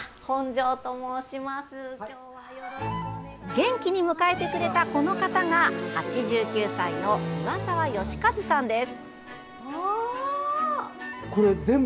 元気に迎えてくれたこの方が８９歳の岩沢善和さんです。